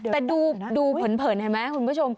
แต่ดูเผินเห็นไหมคุณผู้ชม